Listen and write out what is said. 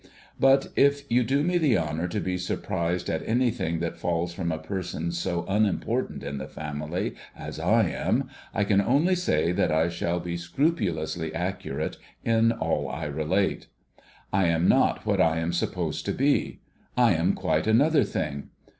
But, if you do me the honour to be surprised at anything that falls from a person so unimportant in the family as I am, I can only say that I shall be scrupulously accurate in all I relate. I am not what I am supposed to be. I am quite another thing.